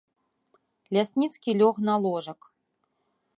Лясніцкі лёг на ложак.